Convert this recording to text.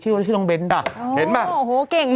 ชื่อตรงเบนด้าน